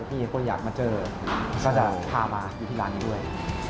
มีคนอยากมาเจอก็จะพามาอยู่ที่ร้านนี้ด้วย